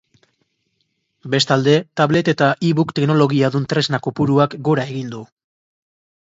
Bestalde, tablet eta ebook teknologiadun tresna kopuruak gora egin du.